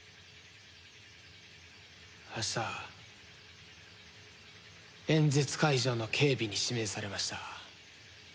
明日演説会場の警備に指名されました。